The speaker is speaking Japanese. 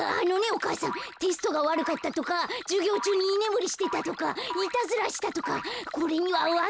お母さんテストがわるかったとかじゅぎょうちゅうにいねむりしてたとかいたずらしたとかこれにはわけがあって。